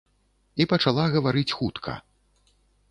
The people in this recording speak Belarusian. І пачала гаварыць хутка.